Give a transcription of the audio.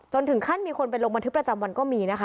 ถึงขั้นมีคนไปลงบันทึกประจำวันก็มีนะคะ